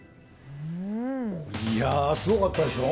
いやあ、すごかったでしょ。